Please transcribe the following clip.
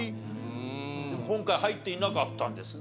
今回入っていなかったんですね